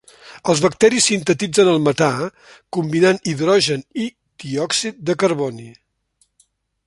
Els bacteris sintetitzen el metà combinant hidrogen i diòxid de carboni.